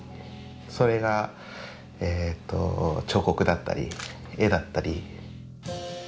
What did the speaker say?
それが彫刻だったり絵だったり。